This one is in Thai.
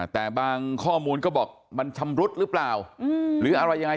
แต่บางข้อมูลก็บอกมันชำรุดหรือเปล่าหรืออะไรยังไง